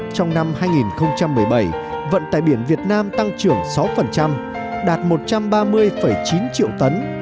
trong năm hai nghìn một mươi bảy vận tài biển việt nam tăng trưởng sáu đạt một trăm ba mươi chín triệu tấn